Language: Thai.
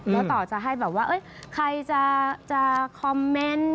แล้วต่อจะให้แบบว่าใครจะคอมเมนต์